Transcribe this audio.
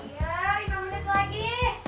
ya lima menit lagi